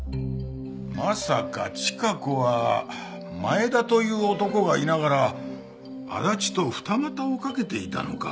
まさかチカ子は前田という男がいながら足立と二股をかけていたのか？